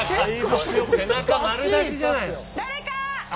誰か！